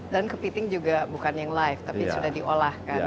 dan kepiting juga bukan yang live tapi sudah diolahkan